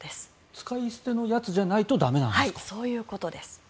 使い捨てのやつじゃないとそういうことです。